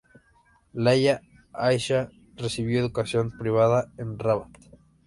Lalla Aisha recibió educación privada en Rabat.